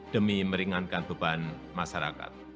demi meringankan beban masyarakat